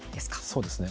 そうですね。